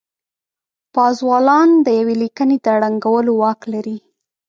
پازوالان د يوې ليکنې د ړنګولو واک لري.